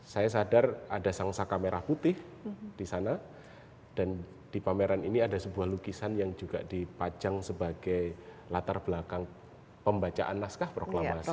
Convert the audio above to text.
saya sadar ada sang saka merah putih di sana dan di pameran ini ada sebuah lukisan yang juga dipajang sebagai latar belakang pembacaan naskah proklamasi